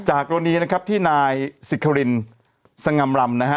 กรณีนะครับที่นายสิครินสง่ำลำนะฮะ